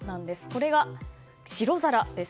これが白皿です。